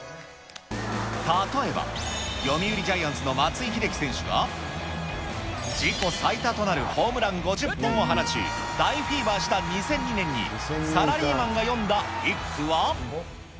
例えば、読売ジャイアンツの松井秀喜選手が、自己最多となるホームラン５０本を放ち、大フィーバーした２００２年に、サラリーマンが詠んだ一句は。